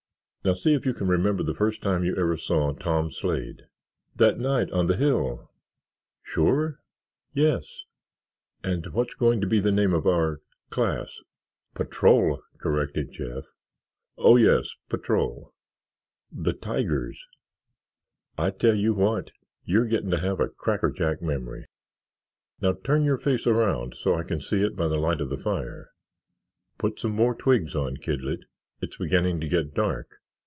Now see if you can remember the first time you ever saw Tom Slade." "That night on the hill." "Sure?" "Yes." "And what's going to be the name of our—class?" "Patrol," corrected Jeff. "Oh yes, patrol." "The Tigers." "I tell you what—you're getting to have a crackerjack memory. "Now turn your face around there so I can see it by the light of the fire. Put some more twigs on, kidlet, it's beginning to get dark.